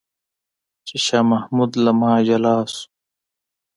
چې شاه محمود له ما جلا شو.